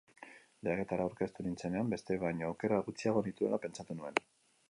Lehiaketara aurkeztu nintzenean, besteek baino aukera gutxiago nituela pentsatu nuen.